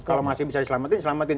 kalau masih bisa diselamatin selamatin